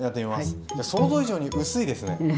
想像以上に薄いですね。